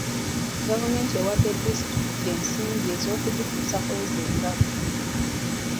Gavumenti ewadde disitulikiti ensimbi ez'okugituusa ku ezo engagga.